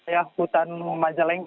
wilayah hutan majalengka